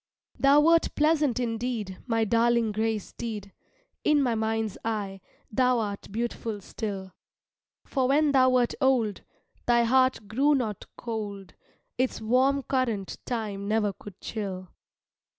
Thou wert pleasant indeed My darling grey steed, "In my mind's eye" thou'rt beautiful still; For when thou wert old Thy heart grew not cold, Its warm current time never could chill.